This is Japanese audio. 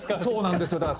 そうなんですよ。